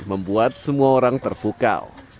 membuat semua orang terpukau